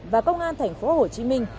và công an thành phố hồ chí minh